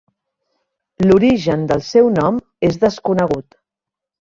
L'origen del seu nom és desconegut.